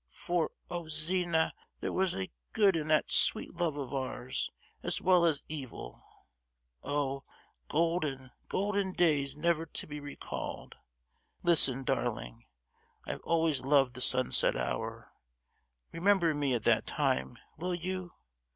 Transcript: For oh, Zina, there was good in that sweet love of ours as well as evil. Oh, golden, golden days never to be recalled! Listen, darling, I have always loved the sunset hour—remember me at that time, will you?